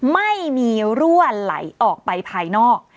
ไม่มีรั่วไหลออกไปภายนอก